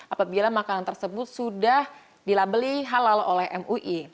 apabila makanan tersebut sudah dilabeli halal oleh mui